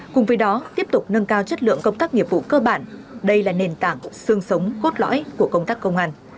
cùng với đó tiếp tục nâng cao chất lượng công tác nghiệp vụ cơ bản đây là nền tảng xương sống gốt lõi của công tác công an